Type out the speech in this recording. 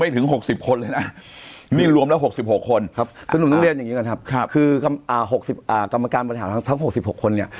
ทั้ง๖๖คนเนี่ย